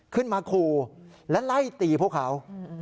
ขึ้นมาขู่และไล่ตีพวกเขา